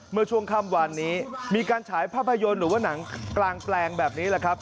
เมื่อช่วงค่ำวานนี้มีการฉายภาพยนตร์หรือว่าหนังกลางแปลงแบบนี้แหละครับ